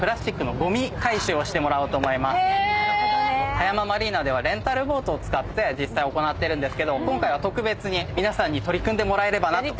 葉山マリーナではレンタルボートを使って行ってるんですけど今回は特別に皆さんに取り組んでもらえればなと。